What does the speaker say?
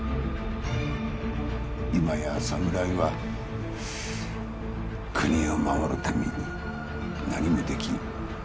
今や侍は国を守るために何もできん。